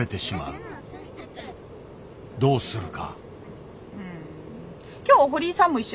どうするか。